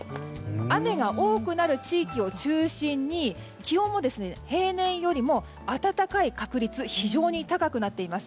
雨が多くなる地域を中心に気温も平年よりも暖かい確率が非常に高くなっています。